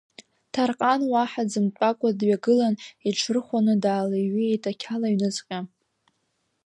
Ҭарҟан уаҳа дзымтәакәа дҩагылан, иҽырхәаны даалеиҩеит ақьала аҩныҵҟа.